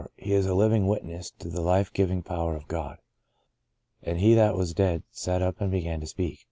He is a living wit ness to the life giving power of God. " And he that was dead sat up and began to speak."